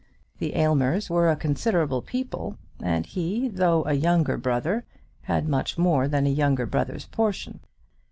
The Aylmers were a considerable people, and he, though a younger brother, had much more than a younger brother's portion.